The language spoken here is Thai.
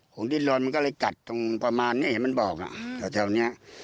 ดินรนมันก็เลยกัดตรงประมาณนี้เห็นมันบอกแถวเนี้ย